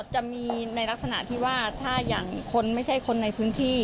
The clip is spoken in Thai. จะมีในลักษณะที่ว่าถ้าอย่างคนไม่ใช่คนในพื้นที่